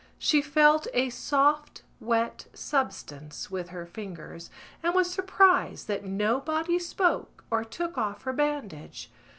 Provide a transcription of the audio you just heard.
She felt a soft wet substance with her fingers and was surprised that nobody spoke or took off her bandage.